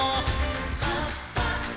「はっぱっぱ！」